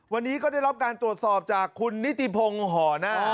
วันนี้ก็ได้รับการตรวจสอบจากคุณนิติพงศ์ห่อหน้า